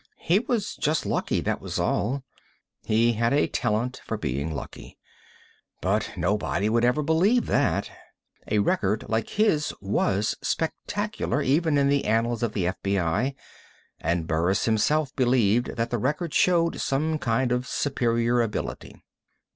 He was just lucky, that was all. He had a talent for being lucky. But nobody would ever believe that. A record like his was spectacular, even in the annals of the FBI, and Burris himself believed that the record showed some kind of superior ability.